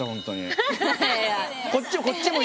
こっちもこっちも